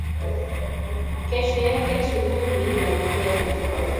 Kesho yake asubuhi na mapema